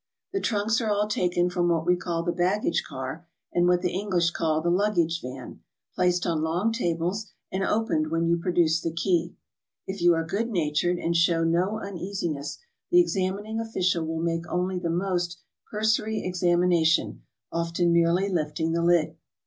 The trunks are all taken from \/hat we call the baggage car and what the English call the luggage van, placed on long tables, and opened when you produce the key. If you are good natured and show no uneasiness, the examining official will make only the most cursory examination, often merely lifting the lid.